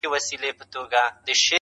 د انصاف په تله خپل او پردي واړه -